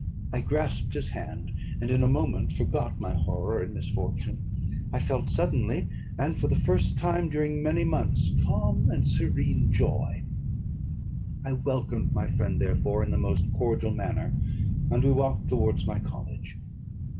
I grasped his hand, and in a moment forgot my horror and misfortune; I felt suddenly, and for the first time during many months, calm and serene joy. I welcomed my friend, therefore, in the most cordial manner, and we walked towards my college.